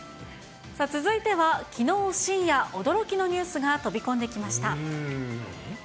続いては、きのう深夜、驚きのニュースが飛び込んできました。